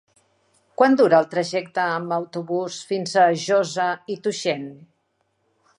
Quant dura el trajecte en autobús fins a Josa i Tuixén?